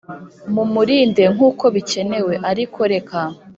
mumurinde nkuko bikenewe, ariko reka